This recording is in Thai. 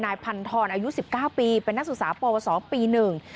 พันธรอายุสิบเก้าปีเป็นนักศึกษาปวสอปีหนึ่ง